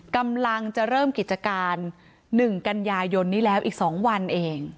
กำลังจะเริ่มกิจการ๑กันยายนนี้แล้วอีก๒วันเอง